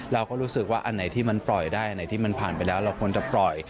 เราก็รู้สึกว่าอันไหนที่มันปล่อยได้อันไหนที่มันผ่านไปแล้วเราควรจะปล่อย